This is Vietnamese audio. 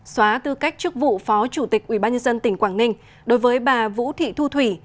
xóa tư cách chức vụ phó chủ tịch ubnd tỉnh quảng ninh đối với bà vũ thị thu thủy